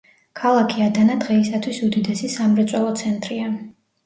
ქალაქი ადანა დღეისათვის უდიდესი სამრეწველო ცენტრია.